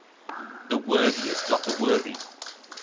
The worthiest of the worthy!